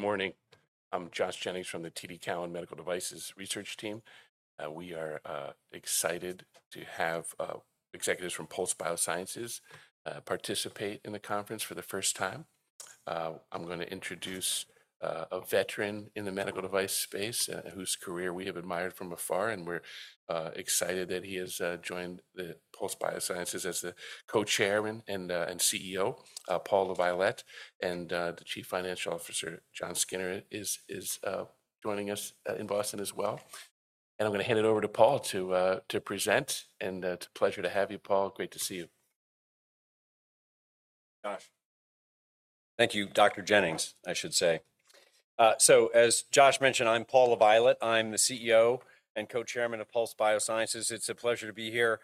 Good morning. I'm Josh Jennings from the TD Cowen Medical Devices Research Team. We are excited to have executives from Pulse Biosciences participate in the conference for the first time. I'm going to introduce a veteran in the medical device space whose career we have admired from afar, and we're excited that he has joined Pulse Biosciences as the co-chair and CEO, Paul LaViolette and the Chief Financial Officer, Jon Skinner, is joining us in Boston as well. I'm going to hand it over to Paul to present. It's a pleasure to have you, Paul. Great to see you. Josh. Thank you, Dr. Jennings, I should say. As Josh mentioned, I'm Paul LaViolette. I'm the CEO and co-chairman of Pulse Biosciences. It's a pleasure to be here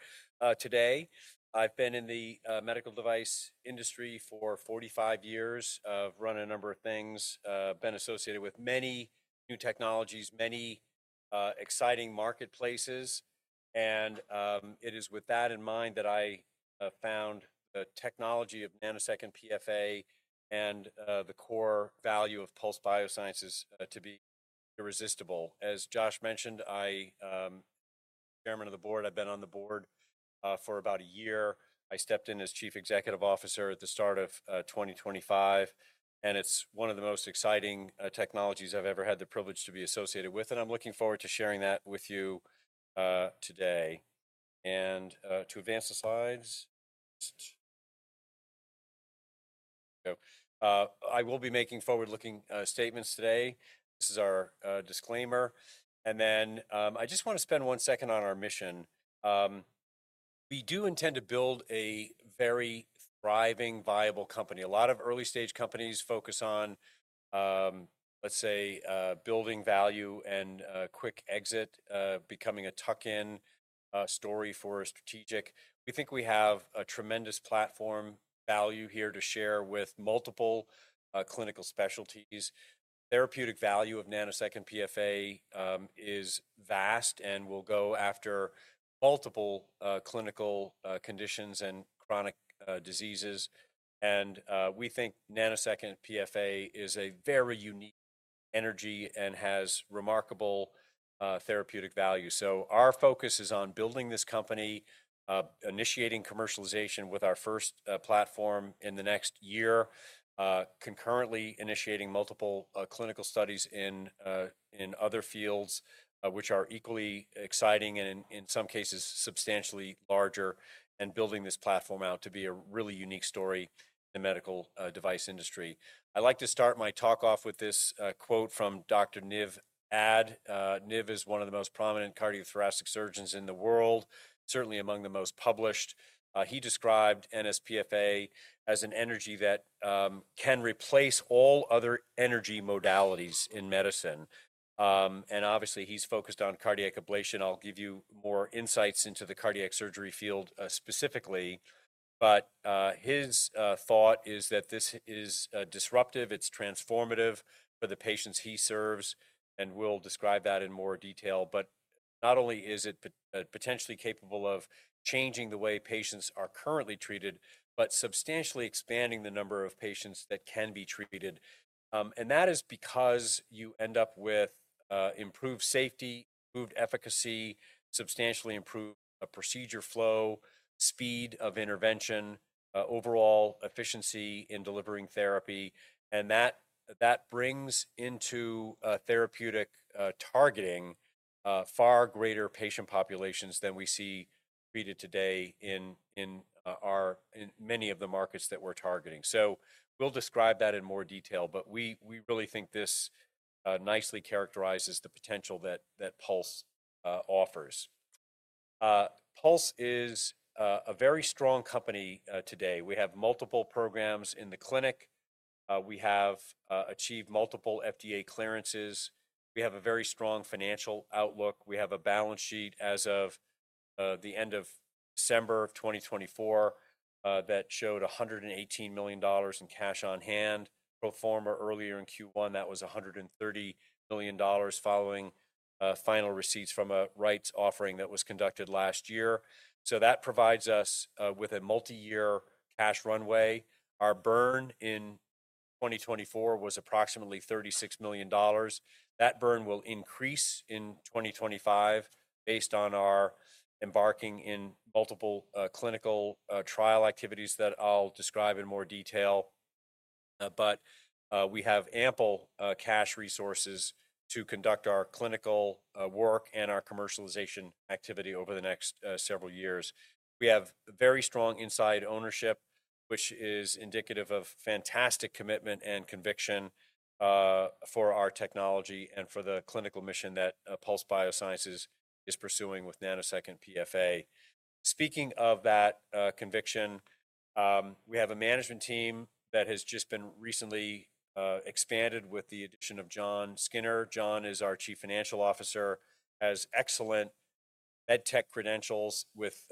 today. I've been in the medical device industry for 45 years, run a number of things, been associated with many new technologies, many exciting marketplaces. It is with that in mind that I found the technology of nanosecond PFA and the core value of Pulse Biosciences to be irresistible. As Josh mentioned, I am chairman of the board. I've been on the board for about a year. I stepped in as Chief Executive Officer at the start of 2025. It's one of the most exciting technologies I've ever had the privilege to be associated with. I'm looking forward to sharing that with you today. To advance the slides. I will be making forward-looking statements today. This is our disclaimer. I just want to spend one second on our mission. We do intend to build a very thriving, viable company. A lot of early-stage companies focus on, let's say, building value and quick exit, becoming a tuck-in story for a strategic. We think we have a tremendous platform value here to share with multiple clinical specialties. The therapeutic value of nanosecond PFA is vast and will go after multiple clinical conditions and chronic diseases. We think nanosecond PFA is a very unique energy and has remarkable therapeutic value. Our focus is on building this company, initiating commercialization with our first platform in the next year, concurrently initiating multiple clinical studies in other fields, which are equally exciting and, in some cases, substantially larger, and building this platform out to be a really unique story in the medical device industry. I'd like to start my talk off with this quote from Dr. Niv Ad. Niv is one of the most prominent cardiothoracic surgeons in the world, certainly among the most published. He described nsPFA as an energy that can replace all other energy modalities in medicine. Obviously, he's focused on cardiac ablation. I'll give you more insights into the cardiac surgery field specifically. His thought is that this is disruptive. It's transformative for the patients he serves. We'll describe that in more detail. Not only is it potentially capable of changing the way patients are currently treated, but substantially expanding the number of patients that can be treated. That is because you end up with improved safety, improved efficacy, substantially improved procedure flow, speed of intervention, overall efficiency in delivering therapy. That brings into therapeutic targeting far greater patient populations than we see treated today in many of the markets that we're targeting. We will describe that in more detail. We really think this nicely characterizes the potential that Pulse offers. Pulse is a very strong company today. We have multiple programs in the clinic. We have achieved multiple FDA clearances. We have a very strong financial outlook. We have a balance sheet as of the end of December 2024 that showed $118 million in cash on hand. Pro forma earlier in Q1, that was $130 million following final receipts from a rights offering that was conducted last year. That provides us with a multi-year cash runway. Our burn in 2024 was approximately $36 million. That burn will increase in 2025 based on our embarking in multiple clinical trial activities that I'll describe in more detail. We have ample cash resources to conduct our clinical work and our commercialization activity over the next several years. We have very strong inside ownership, which is indicative of fantastic commitment and conviction for our technology and for the clinical mission that Pulse Biosciences is pursuing with nanosecond PFA. Speaking of that conviction, we have a management team that has just been recently expanded with the addition of Jon Skinner. Jon is our Chief Financial Officer, has excellent MedTech credentials with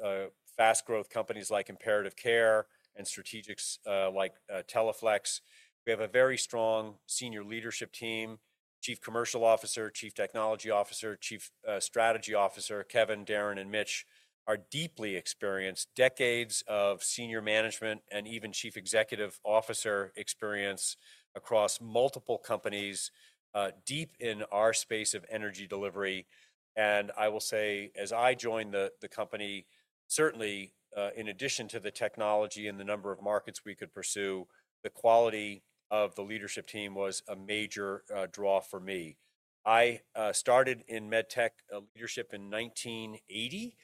fast-growth companies like Imperative Care and strategics like Teleflex. We have a very strong senior leadership team. Chief Commercial Officer, Chief Technology Officer, Chief Strategy Officer, Kevin, Darrin, and Mitch are deeply experienced, decades of senior management and even Chief Executive Officer experience across multiple companies deep in our space of energy delivery. I will say, as I joined the company, certainly, in addition to the technology and the number of markets we could pursue, the quality of the leadership team was a major draw for me. I started in MedTech leadership in 1980.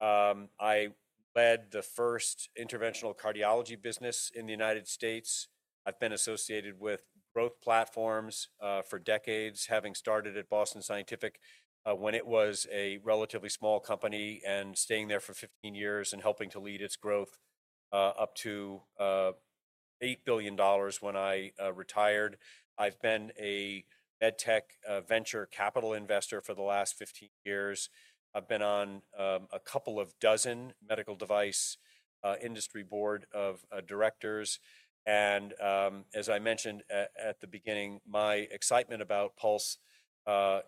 I led the first interventional cardiology business in the United States. I've been associated with growth platforms for decades, having started at Boston Scientific when it was a relatively small company and staying there for 15 years and helping to lead its growth up to $8 billion when I retired. I've been a MedTech venture capital investor for the last 15 years. I've been on a couple of dozen medical device industry board of directors. As I mentioned at the beginning, my excitement about Pulse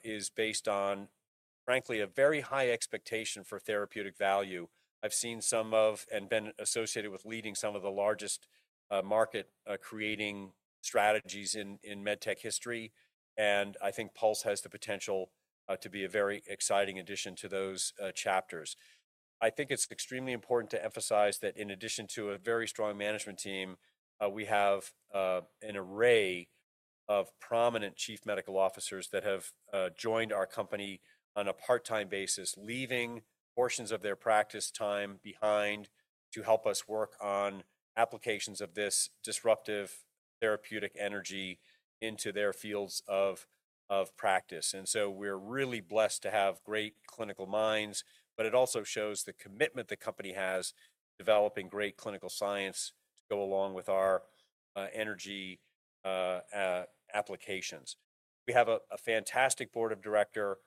is based on, frankly, a very high expectation for therapeutic value. I've seen some of and been associated with leading some of the largest market-creating strategies in MedTech history. I think Pulse has the potential to be a very exciting addition to those chapters. I think it's extremely important to emphasize that in addition to a very strong management team, we have an array of prominent chief medical officers that have joined our company on a part-time basis, leaving portions of their practice time behind to help us work on applications of this disruptive therapeutic energy into their fields of practice. We're really blessed to have great clinical minds. It also shows the commitment the company has to developing great clinical science to go along with our energy applications. We have a fantastic board of directors,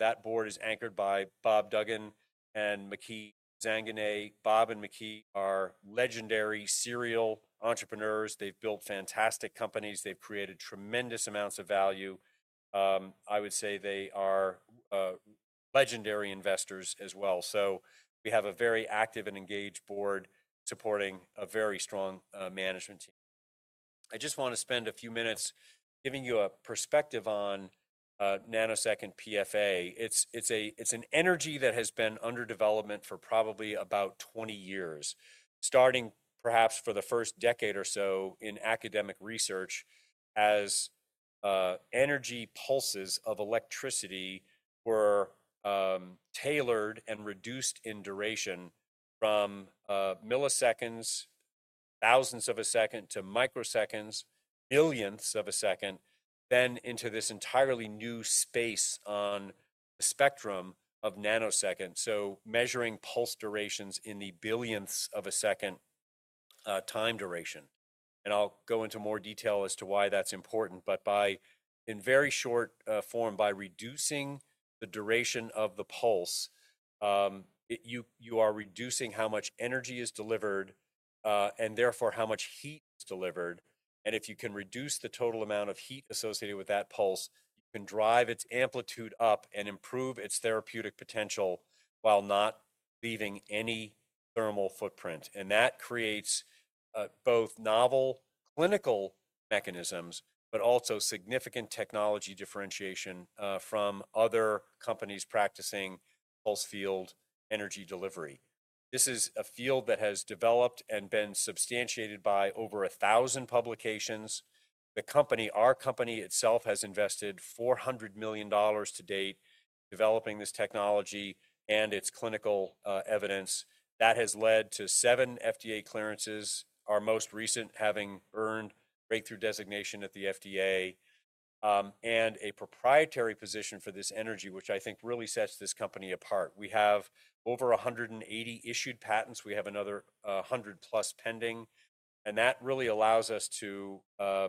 that board is anchored by Bob Duggan and Macky Zanganeh. Bob and Macky are legendary serial entrepreneurs. They've built fantastic companies. They've created tremendous amounts of value. I would say they are legendary investors as well. We have a very active and engaged board supporting a very strong management team. I just want to spend a few minutes giving you a perspective on nanosecond PFA. It's an energy that has been under development for probably about 20 years, starting perhaps for the first decade or so in academic research as energy pulses of electricity were tailored and reduced in duration from milliseconds, thousandths of a second, to microseconds, millionths of a second, then into this entirely new space on the spectrum of nanoseconds. Measuring pulse durations in the billionths of a second time duration. I'll go into more detail as to why that's important. In very short form, by reducing the duration of the pulse, you are reducing how much energy is delivered and therefore how much heat is delivered. If you can reduce the total amount of heat associated with that pulse, you can drive its amplitude up and improve its therapeutic potential while not leaving any thermal footprint. That creates both novel clinical mechanisms, but also significant technology differentiation from other companies practicing pulse field energy delivery. This is a field that has developed and been substantiated by over 1,000 publications. The company, our company itself, has invested $400 million to date developing this technology and its clinical evidence. That has led to seven FDA clearances, our most recent having earned breakthrough designation at the FDA and a proprietary position for this energy, which I think really sets this company apart. We have over 180 issued patents. We have another 100 plus pending. That really allows us to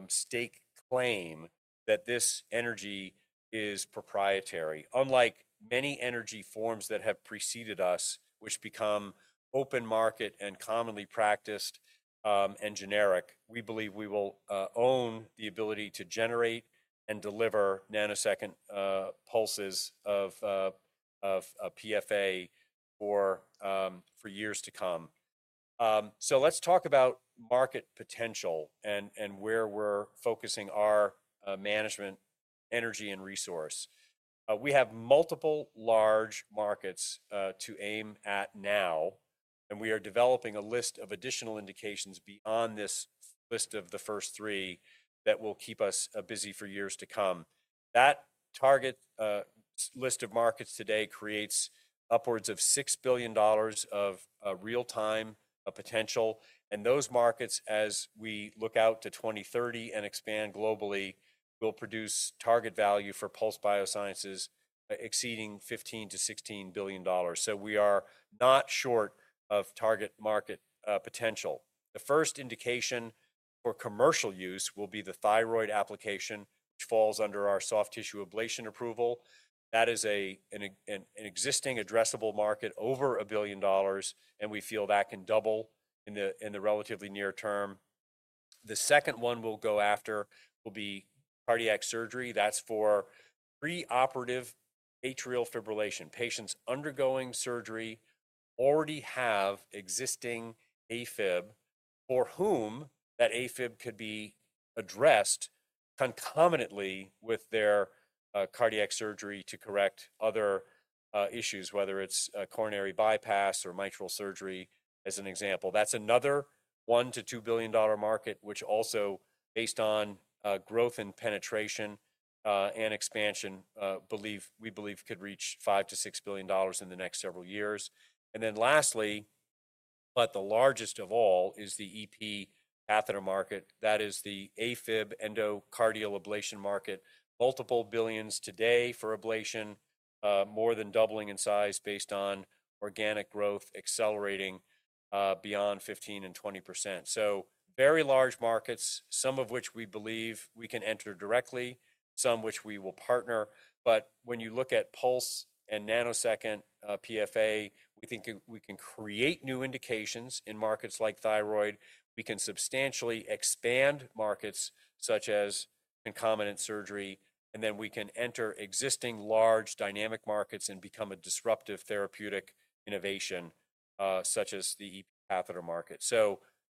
stake claim that this energy is proprietary. Unlike many energy forms that have preceded us, which become open market and commonly practiced and generic, we believe we will own the ability to generate and deliver nanosecond pulses of PFA for years to come. Let's talk about market potential and where we're focusing our management energy and resource. We have multiple large markets to aim at now. We are developing a list of additional indications beyond this list of the first three that will keep us busy for years to come. That target list of markets today creates upwards of $6 billion of real-time potential. Those markets, as we look out to 2030 and expand globally, will produce target value for Pulse Biosciences exceeding $15-$16 billion. We are not short of target market potential. The first indication for commercial use will be the thyroid application, which falls under our soft tissue ablation approval. That is an existing addressable market over $1 billion. We feel that can double in the relatively near term. The second one we'll go after will be cardiac surgery. That's for preoperative atrial fibrillation. Patients undergoing surgery already have existing AFib for whom that AFib could be addressed concomitantly with their cardiac surgery to correct other issues, whether it's coronary bypass or mitral surgery as an example. That's another $1 billion-$2 billion market, which also, based on growth and penetration and expansion, we believe could reach $5 billion-$6 billion in the next several years. Lastly, but the largest of all, is the EP Catheter Market. That is the AFib endocardial ablation market, multiple billions today for ablation, more than doubling in size based on organic growth accelerating beyond 15%-20%. Very large markets, some of which we believe we can enter directly, some which we will partner. When you look at Pulse and nanosecond PFA, we think we can create new indications in markets like thyroid. We can substantially expand markets such as concomitant surgery. We can enter existing large dynamic markets and become a disruptive therapeutic innovation such as the EP Catheter Market.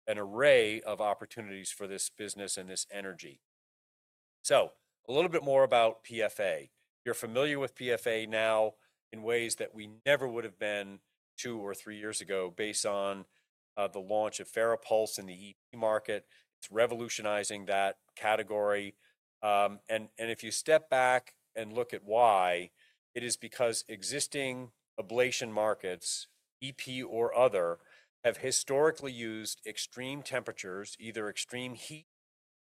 An array of opportunities for this business and this energy. A little bit more about PFA. You're familiar with PFA now in ways that we never would have been two or three years ago based on the launch of FARAPULSE in the EP Market. It's revolutionizing that category. If you step back and look at why, it is because existing ablation markets, EP or other, have historically used extreme temperatures, either extreme heat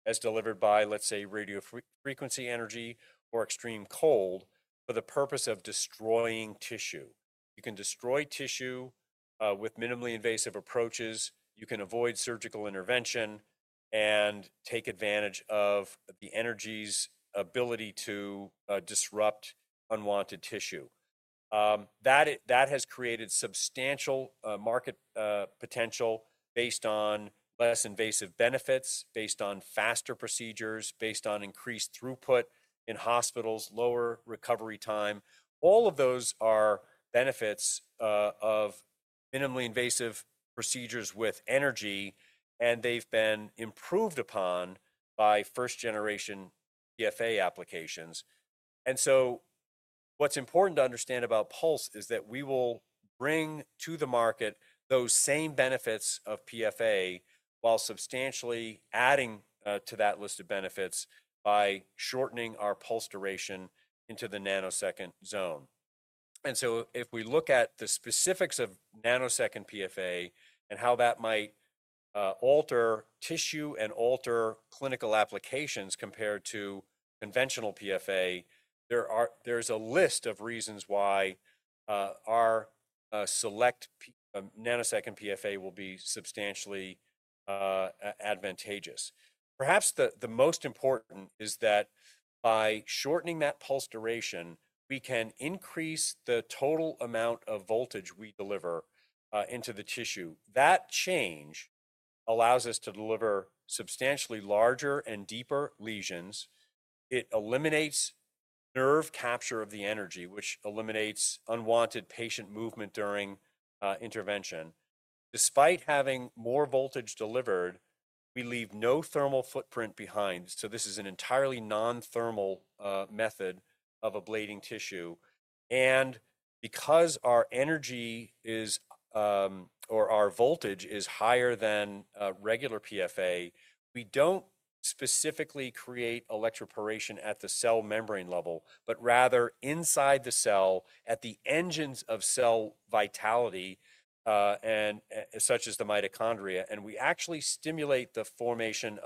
as delivered by, let's say, radiofrequency energy or extreme cold for the purpose of destroying tissue. You can destroy tissue with minimally invasive approaches. You can avoid surgical intervention and take advantage of the energy's ability to disrupt unwanted tissue. That has created substantial market potential based on less invasive benefits, based on faster procedures, based on increased throughput in hospitals, lower recovery time. All of those are benefits of minimally invasive procedures with energy. They've been improved upon by first-generation PFA applications. What's important to understand about Pulse is that we will bring to the market those same benefits of PFA while substantially adding to that list of benefits by shortening our pulse duration into the nanosecond zone. If we look at the specifics of nanosecond PFA and how that might alter tissue and alter clinical applications compared to conventional PFA, there's a list of reasons why our select nanosecond PFA will be substantially advantageous. Perhaps the most important is that by shortening that pulse duration, we can increase the total amount of voltage we deliver into the tissue. That change allows us to deliver substantially larger and deeper lesions. It eliminates nerve capture of the energy, which eliminates unwanted patient movement during intervention. Despite having more voltage delivered, we leave no thermal footprint behind. This is an entirely non-thermal method of ablating tissue. Because our energy or our voltage is higher than regular PFA, we do not specifically create electroporation at the cell membrane level, but rather inside the cell at the engines of cell vitality, such as the mitochondria. We actually stimulate the formation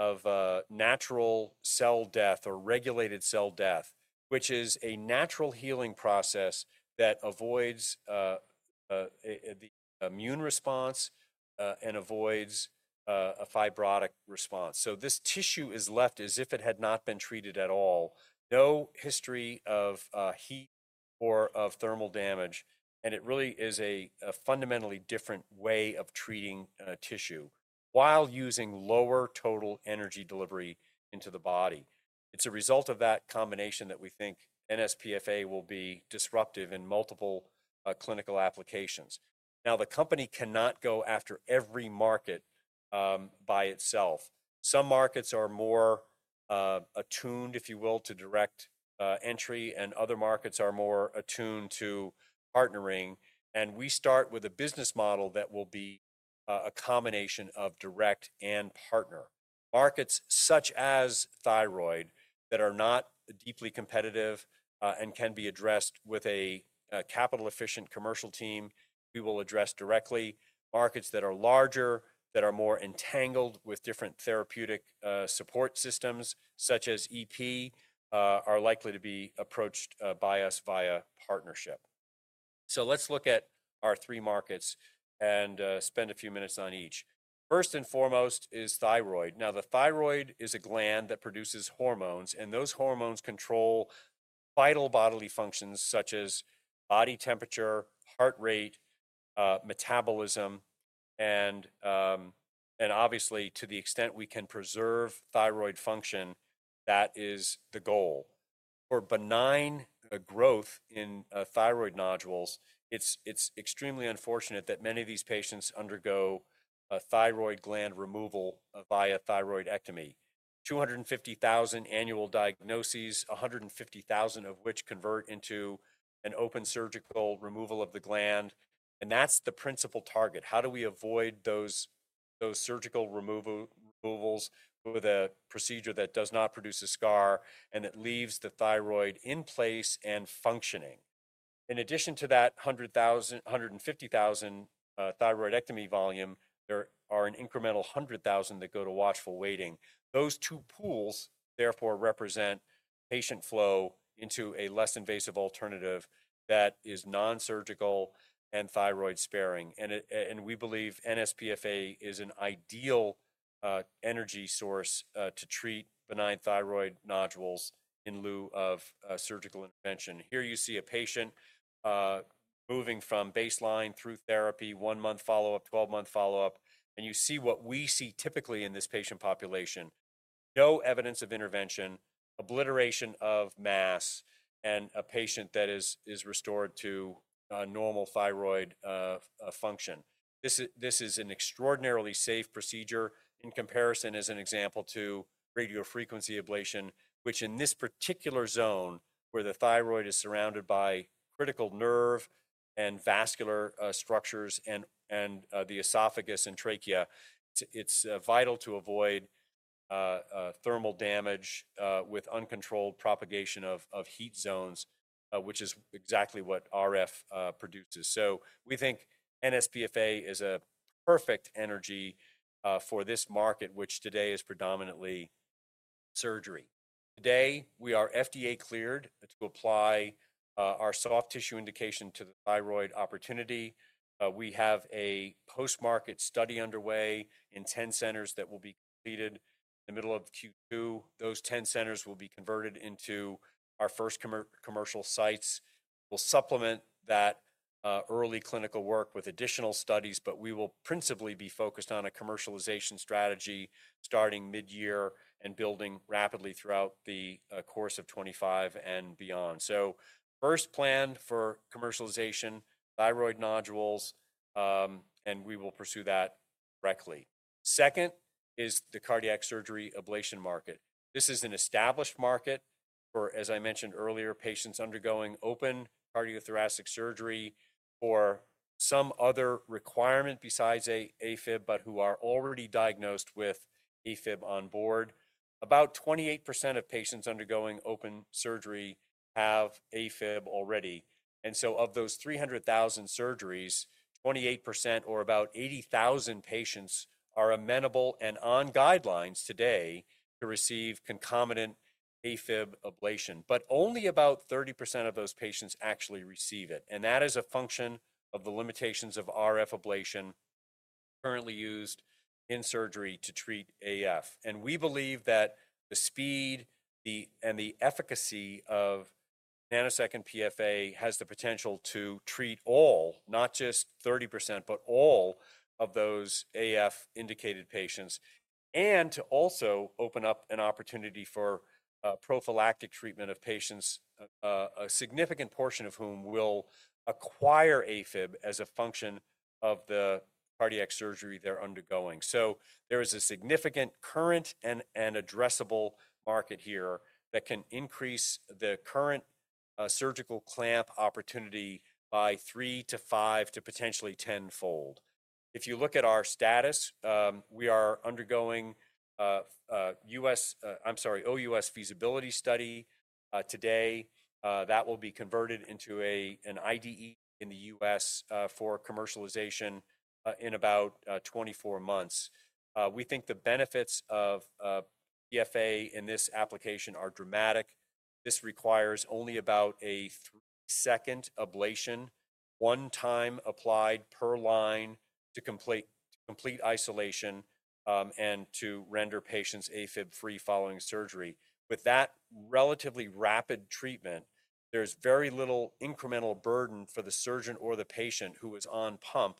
of natural cell death or regulated cell death, which is a natural healing process that avoids the immune response and avoids a fibrotic response. This tissue is left as if it had not been treated at all, no history of heat or of thermal damage. It really is a fundamentally different way of treating tissue while using lower total energy delivery into the body. It is a result of that combination that we think nsPFA will be disruptive in multiple clinical applications. The company cannot go after every market by itself. Some markets are more attuned, if you will, to direct entry, and other markets are more attuned to partnering. We start with a business model that will be a combination of direct and partner. Markets such as thyroid that are not deeply competitive and can be addressed with a capital-efficient commercial team, we will address directly. Markets that are larger, that are more entangled with different therapeutic support systems, such as EP, are likely to be approached by us via partnership. Let's look at our three markets and spend a few minutes on each. First and foremost is thyroid. The thyroid is a gland that produces hormones. Those hormones control vital bodily functions such as body temperature, heart rate, metabolism. Obviously, to the extent we can preserve thyroid function, that is the goal. For benign growth in thyroid nodules, it's extremely unfortunate that many of these patients undergo thyroid gland removal via thyroidectomy. 250,000 annual diagnoses, 150,000 of which convert into an open surgical removal of the gland. That's the principal target. How do we avoid those surgical removals with a procedure that does not produce a scar and that leaves the thyroid in place and functioning? In addition to that 150,000 thyroidectomy volume, there are an incremental 100,000 that go to watchful waiting. Those two pools, therefore, represent patient flow into a less invasive alternative that is nonsurgical and thyroid sparing. We believe nsPFA is an ideal energy source to treat benign thyroid nodules in lieu of surgical intervention. Here you see a patient moving from baseline through therapy, one-month follow-up, 12-month follow-up. You see what we see typically in this patient population: no evidence of intervention, obliteration of mass, and a patient that is restored to normal thyroid function. This is an extraordinarily safe procedure in comparison, as an example, to radiofrequency ablation, which in this particular zone where the thyroid is surrounded by critical nerve and vascular structures and the esophagus and trachea, it's vital to avoid thermal damage with uncontrolled propagation of heat zones, which is exactly what RF produces. We think nsPFA is a perfect energy for this market, which today is predominantly surgery. Today, we are FDA cleared to apply our soft tissue indication to the thyroid opportunity. We have a post-market study underway in 10 centers that will be completed in the middle of Q2. Those 10 centers will be converted into our first commercial sites. We'll supplement that early clinical work with additional studies, but we will principally be focused on a commercialization strategy starting mid-year and building rapidly throughout the course of 2025 and beyond. First, plan for commercialization, thyroid nodules, and we will pursue that directly. Second is the Cardiac Surgery Ablation Market. This is an established market for, as I mentioned earlier, patients undergoing open cardiothoracic surgery or some other requirement besides AFib, but who are already diagnosed with AFib on board. About 28% of patients undergoing open surgery have AFib already. Of those 300,000 surgeries, 28% or about 80,000 patients are amenable and on guidelines today to receive concomitant AFib ablation. Only about 30% of those patients actually receive it. That is a function of the limitations of RF ablation currently used in surgery to treat AF. We believe that the speed and the efficacy of nanosecond PFA has the potential to treat all, not just 30%, but all of those AF-indicated patients and to also open up an opportunity for prophylactic treatment of patients, a significant portion of whom will acquire AFib as a function of the cardiac surgery they're undergoing. There is a significant current and addressable market here that can increase the current surgical clamp opportunity by 3-5 to potentially 10-fold. If you look at our status, we are undergoing OUS feasibility study today. That will be converted into an IDE in the U.S. for commercialization in about 24 months. We think the benefits of PFA in this application are dramatic. This requires only about a three-second ablation, one time applied per line to complete isolation and to render patients AFib-free following surgery. With that relatively rapid treatment, there's very little incremental burden for the surgeon or the patient who is on pump.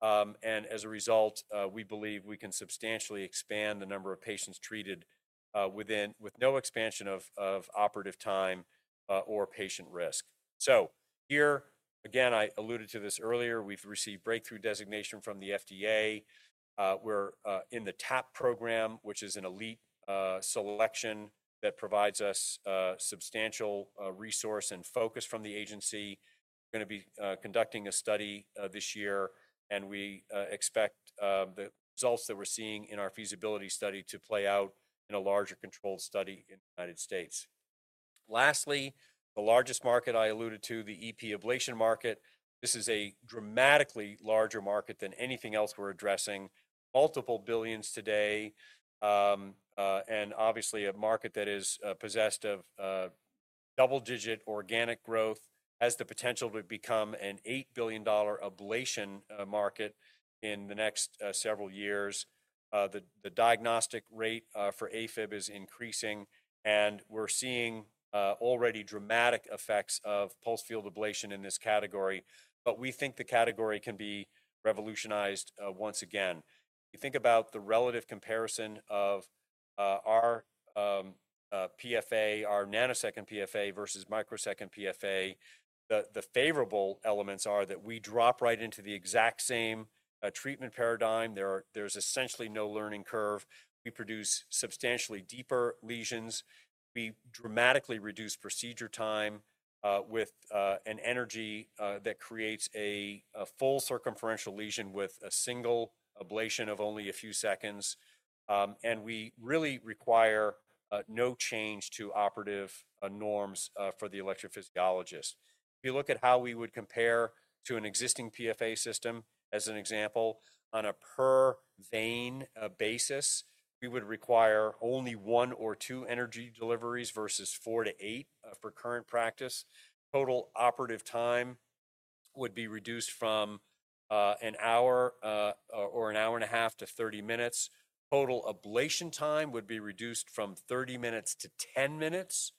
As a result, we believe we can substantially expand the number of patients treated with no expansion of operative time or patient risk. Here, again, I alluded to this earlier. We've received breakthrough designation from the FDA. We're in the TAP program, which is an elite selection that provides us substantial resource and focus from the agency. We're going to be conducting a study this year. We expect the results that we're seeing in our feasibility study to play out in a larger controlled study in the United States. Lastly, the largest market I alluded to, the EP Ablation Market, this is a dramatically larger market than anything else we're addressing, multiple billions today, and obviously a market that is possessed of double-digit organic growth, has the potential to become an $8 billion ablation market in the next several years. The diagnostic rate for AFib is increasing. We're seeing already dramatic effects of pulse field ablation in this category. We think the category can be revolutionized once again. You think about the relative comparison of our PFA, our nanosecond PFA versus microsecond PFA, the favorable elements are that we drop right into the exact same treatment paradigm. There's essentially no learning curve. We produce substantially deeper lesions. We dramatically reduce procedure time with an energy that creates a full circumferential lesion with a single ablation of only a few seconds. We really require no change to operative norms for the electrophysiologist. If you look at how we would compare to an existing PFA system, as an example, on a per-vein basis, we would require only one or two energy deliveries versus four to eight for current practice. Total operative time would be reduced from an hour or an hour and a half to 30 minutes. Total ablation time would be reduced from 30 minutes to 10 minutes.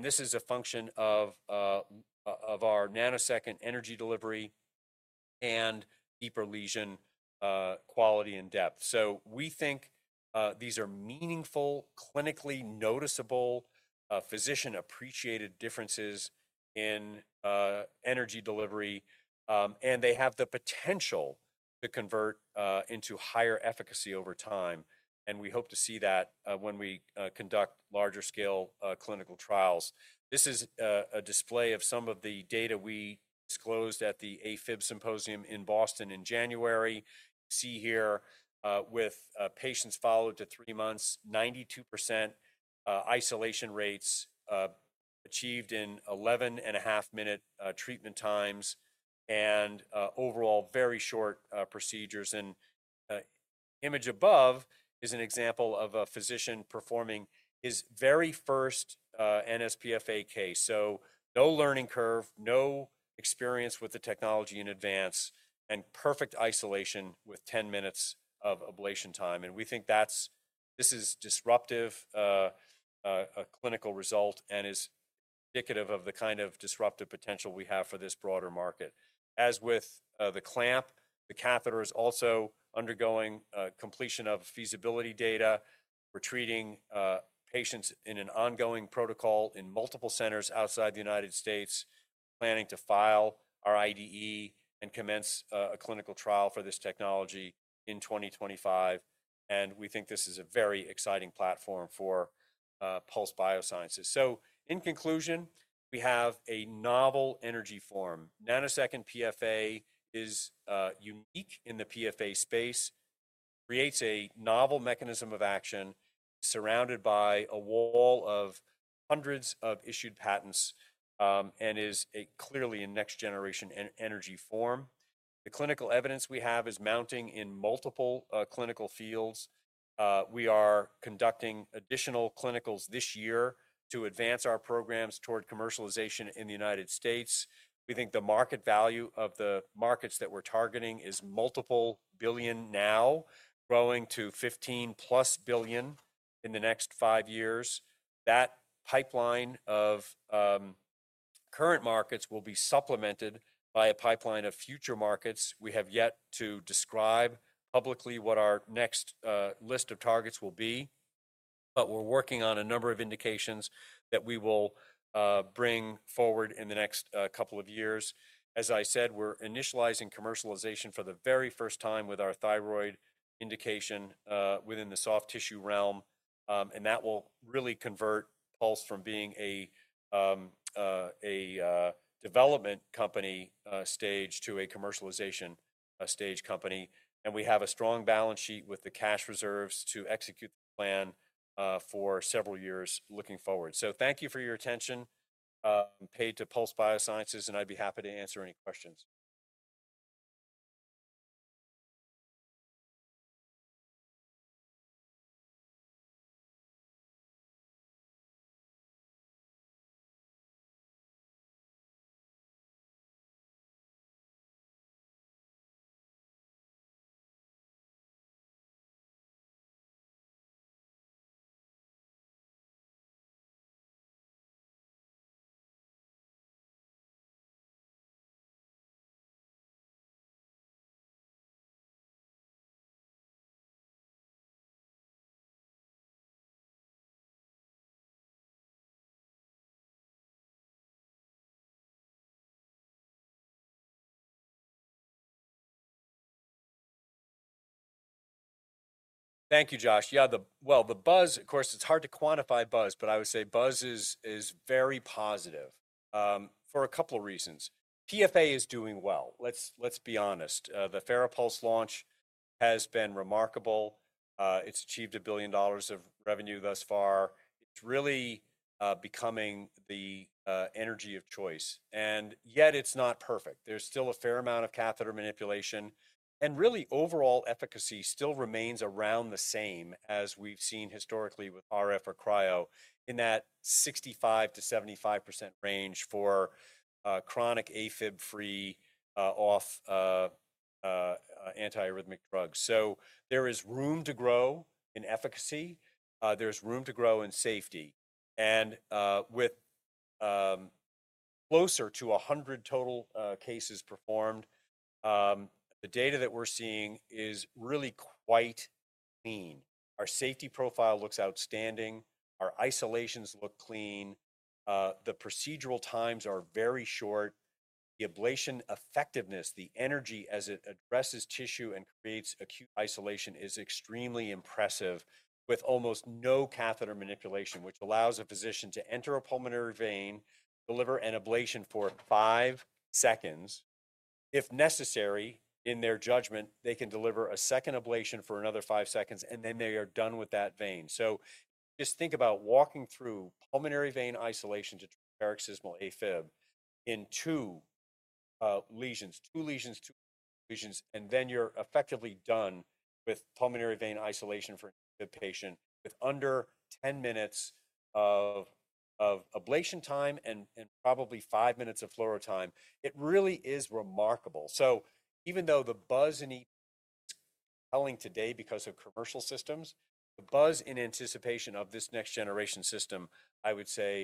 This is a function of our nanosecond energy delivery and deeper lesion quality and depth. We think these are meaningful, clinically noticeable, physician-appreciated differences in energy delivery. They have the potential to convert into higher efficacy over time. We hope to see that when we conduct larger-scale clinical trials. This is a display of some of the data we disclosed at the AFib Symposium in Boston in January. You see here with patients followed to three months, 92% isolation rates achieved in 11-and-a-half-minute treatment times and overall very short procedures. The image above is an example of a physician performing his very first nsPFA case. No learning curve, no experience with the technology in advance, and perfect isolation with 10 minutes of ablation time. We think this is a disruptive clinical result and is indicative of the kind of disruptive potential we have for this broader market. As with the clamp, the catheter is also undergoing completion of feasibility data. We're treating patients in an ongoing protocol in multiple centers outside the United States, planning to file our IDE and commence a clinical trial for this technology in 2025. We think this is a very exciting platform for Pulse Biosciences. In conclusion, we have a novel energy form. Nanosecond PFA is unique in the PFA space, creates a novel mechanism of action, is surrounded by a wall of hundreds of issued patents, and is clearly a next-generation energy form. The clinical evidence we have is mounting in multiple clinical fields. We are conducting additional clinicals this year to advance our programs toward commercialization in the United States. We think the market value of the markets that we're targeting is multiple billion now, growing to $15 billion-plus in the next five years. That pipeline of current markets will be supplemented by a pipeline of future markets. We have yet to describe publicly what our next list of targets will be. We are working on a number of indications that we will bring forward in the next couple of years. As I said, we're initializing commercialization for the very first time with our thyroid indication within the soft tissue realm. That will really convert Pulse Biosciences from being a development company stage to a commercialization stage company. We have a strong balance sheet with the cash reserves to execute the plan for several years looking forward. Thank you for your attention. I'm paid to Pulse Biosciences, and I'd be happy to answer any questions. Thank you, Josh. Yeah, the buzz, of course, it's hard to quantify buzz, but I would say buzz is very positive for a couple of reasons. PFA is doing well. Let's be honest. The FARAPULSE launch has been remarkable. It's achieved $1 billion of revenue thus far. It's really becoming the energy of choice. Yet, it's not perfect. There's still a fair amount of catheter manipulation. Really, overall efficacy still remains around the same as we've seen historically with RF or cryo in that 65%-75% range for chronic AFib-free off antiarrhythmic drugs. There is room to grow in efficacy. There is room to grow in safety. With closer to 100 total cases performed, the data that we're seeing is really quite clean. Our safety profile looks outstanding. Our isolations look clean. The procedural times are very short. The ablation effectiveness, the energy as it addresses tissue and creates acute isolation is extremely impressive with almost no catheter manipulation, which allows a physician to enter a pulmonary vein, deliver an ablation for five seconds. If necessary, in their judgment, they can deliver a second ablation for another five seconds, and then they are done with that vein. Just think about walking through pulmonary vein isolation to treat paroxysmal AFib in two lesions, two lesions, two lesions, and then you're effectively done with pulmonary vein isolation for an AFib patient with under 10 minutes of ablation time and probably five minutes of fluoro time. It really is remarkable. Even though the buzz in EP is compelling today because of commercial systems, the buzz in anticipation of this next-generation system, I would say.